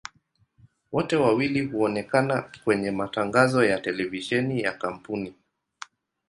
Wote wawili huonekana kwenye matangazo ya televisheni ya kampuni.